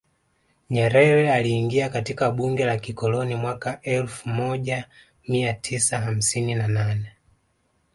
Nyerere aliingia katika bunge la kikoloni mwaka elfu moja mia tisa hamsini na nane